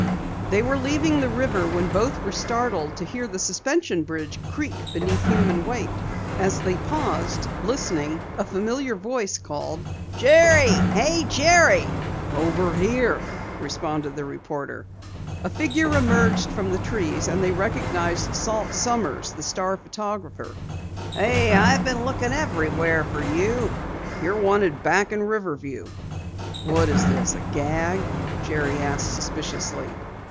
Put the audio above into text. They were leaving the river when both were startled to hear the suspension bridge creak beneath human weight. As they paused, listening, a familiar voice called: "Jerry! Hey, Jerry!" "Here!" responded the reporter. A figure emerged from the trees, and they recognized Salt Sommers, the Star photographer. "Say, I've been lookin' everywhere for you," he complained. "You're wanted back in Riverview." "What is this, a gag?" Jerry asked suspiciously.